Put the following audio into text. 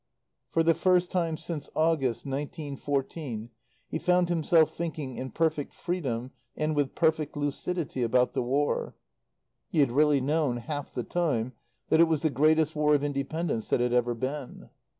For the first time since August, nineteen fourteen, he found himself thinking, in perfect freedom and with perfect lucidity, about the War. He had really known, half the time, that it was the greatest War of Independence that had ever been.